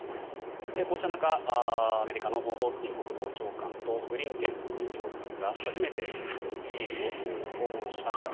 こうした中、アメリカのオースティン国防長官とブリンケン国務長官が初めてキーウを訪問しました。